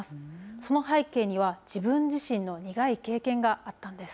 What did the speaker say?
その背景には、自分自身の苦い経験があったんです。